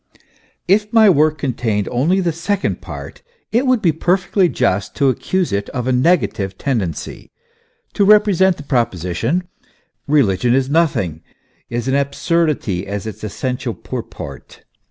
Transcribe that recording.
If my work contained only the second part, it would be per fectly just to accuse it of a negative tendency, to represent the proposition : Eeligion is nothing, is an absurdity, as its essen tial purport.